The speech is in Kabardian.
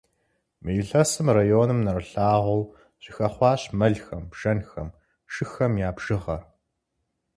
Мы илъэсым районым нэрылъагъуу щыхэхъуащ мэлхэм, бжэнхэм, шыхэм я бжыгъэр.